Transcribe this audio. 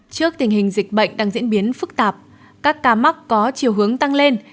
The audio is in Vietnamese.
trước tình hình dịch bệnh đang diễn biến phức tạp các ca mắc có chiều hướng tăng lên